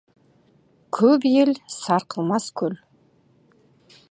Көп ел — сарқылмас көл.